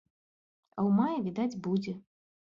А ў маі відаць будзе.